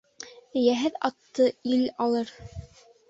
Эйәһеҙ атты ил алыр.